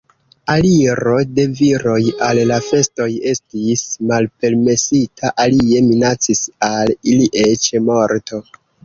Aliro de viroj al la festoj estis malpermesita, alie minacis al ili eĉ morto.